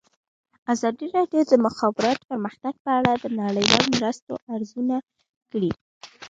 ازادي راډیو د د مخابراتو پرمختګ په اړه د نړیوالو مرستو ارزونه کړې.